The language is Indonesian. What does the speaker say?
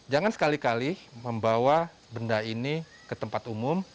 jangan sekali kali membawa benda ini ke tempat umum